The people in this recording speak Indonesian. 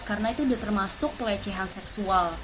karena itu udah termasuk pelecehan seksual